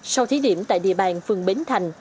sau thí điểm tại địa bàn phường bến thành